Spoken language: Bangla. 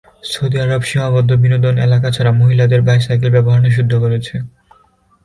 সৌদি আরব সীমাবদ্ধ বিনোদন এলাকা ছাড়া মহিলাদের বাইসাইকেল ব্যবহার নিষিদ্ধ করেছে।